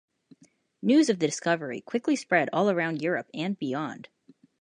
News of the discovery quickly spread all around Europe and beyond.